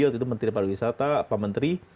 waktu itu menteri pariwisata pementri